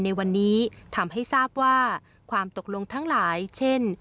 ในวันนี้ทำให้ทราบว่าความตกลงทั้งหลายเช่น